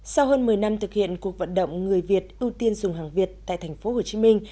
sau hơn một mươi năm thực hiện cuộc vận động người việt ưu tiên dùng hàng việt tại thành phố hồ chí minh